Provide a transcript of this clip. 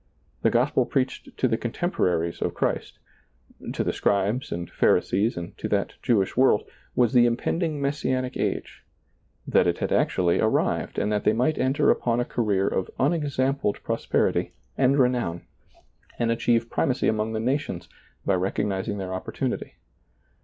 The gospel preached to the contemporaries of Christ — to the scribes and Pharisees and to that Jewish world — was the impending Messianic age — that it had actually arrived, and that they might enter upon a career of unexampled prosperity and re nown, and achieve primacy among the nations, by recognizing their opportunity.